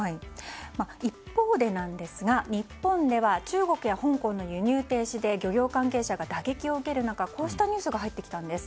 一方で、日本では中国や香港の輸入停止で漁業関係者が打撃を受ける中こうしたニュースが入ってきたんです。